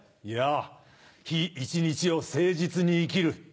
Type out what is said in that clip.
いや日一日を誠実に生きる。